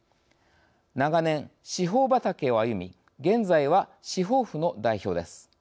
長年、司法畑を歩み現在は、司法府の代表です。